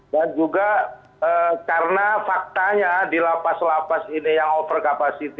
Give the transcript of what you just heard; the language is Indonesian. dan juga karena faktanya di lapas lapas ini yang over capacity